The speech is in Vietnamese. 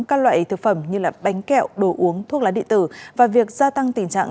các loại thực phẩm như bánh kẹo đồ uống thuốc lá điện tử và việc gia tăng tình trạng